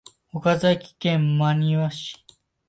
岡山県真庭市